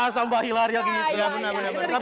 wah sama mbak hilary yang gitu